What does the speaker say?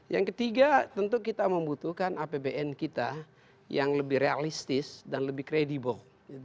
yang ketiga tentu kita membutuhkan apbn kita yang lebih realistis dan lebih kredibel